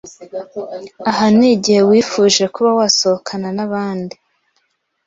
Aha ni igihe wifuje kuba wasohokana n’abandi,